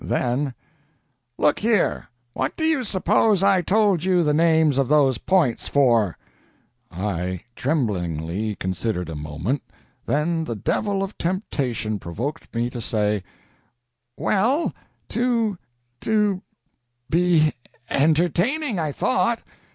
Then: "Look here, what do you suppose I told you the names of those points for?" I tremblingly considered a moment then the devil of temptation provoked me to say: "Well to to be entertaining, I thought."